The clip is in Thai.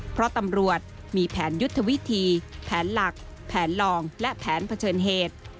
เพราะตำรวจมีแผนยุทธวิธีแผนหลักแผนลองและแผนเผชิญเหตุ